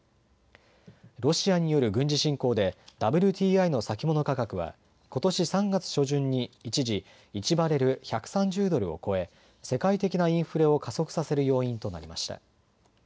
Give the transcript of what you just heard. ロシアによる軍事侵攻でＷＴＩの先物価格はことし３月初旬に一時、１バレル１３０ドルを超え世界的なインフレを加速させる要因となりました。